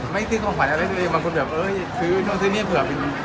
ไม่ซื้อของขวัญไม่ซื้อของขวัญมีคนแบบเอ้ยซื้อซื้อเนี่ยเผื่อเป็น